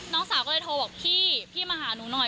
น้องสาวก็เลยโทรบอกพี่พี่มาหาหนูหน่อย